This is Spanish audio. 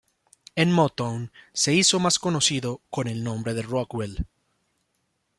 En Motown se hizo más conocido con el nombre de Rockwell.